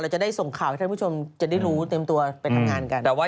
จะได้ส่งข่าวให้ท่านผู้ชมจะได้รู้เต็มตัวไปทำงานกัน